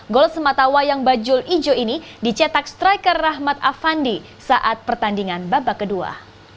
gol sematawayang bajul ijo ini dicetak striker rahmat afandi saat pertandingan babak kedua